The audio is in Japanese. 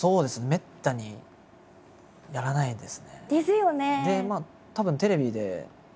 めったにやらないですね。ですよね。